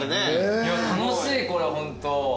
楽しいこれホント。